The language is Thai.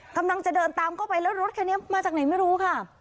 กำลังจะเดินตามเข้าไปแล้วรถคันนี้มาจากไหนไม่รู้ค่ะ